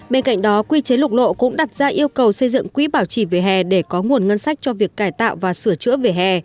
bên cạnh đó quy chế lục lộ cũng đặt ra yêu cầu xây dựng quỹ bảo trì về hè để có nguồn ngân sách cho việc cải tạo và sửa chữa về hè